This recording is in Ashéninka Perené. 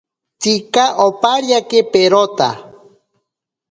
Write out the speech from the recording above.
Tsika opariake perota.